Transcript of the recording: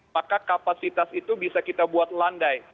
maka kapasitas itu bisa kita buat landai